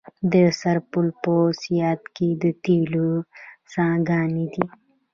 د سرپل په صیاد کې د تیلو څاګانې دي.